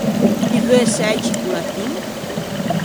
Ti veu sëi cicolatin?